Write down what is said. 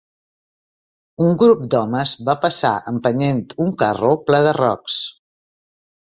Un grup d'homes va passar empenyent un carro ple de rocs.